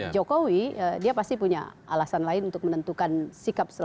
jokowi dia pasti punya alasan lain untuk menentukan sikap selanjutnya